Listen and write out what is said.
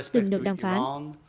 từng được đàm phán